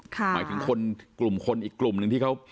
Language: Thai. หมายถึงคนกลุ่มคนอีกกลุ่มหนึ่งที่เขา